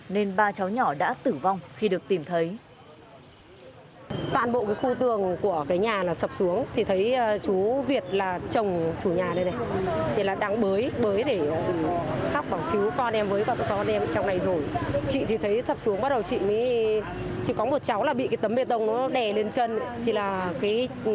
nên ba cháu nhỏ đã tử vong khi được tìm thấy